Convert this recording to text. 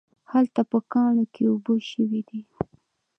هلته په کاڼو کې اوبه شوي دي